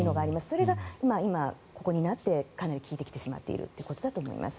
それが今、ここになってかなり効いてきてしまっているということだと思います。